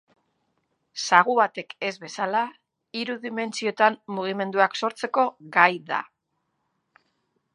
Sagu batek ez bezala, hiru dimentsiotan mugimenduak sortzeko gai da.